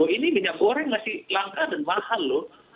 ini minyak goreng masih langka dan mahal loh